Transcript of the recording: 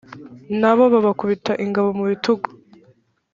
nabo babakubita ingabo mu bitugu